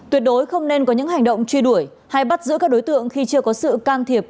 tuyệt đối không nên có những hành động truy đuổi hay bắt giữ các đối tượng khi chưa có sự can thiệp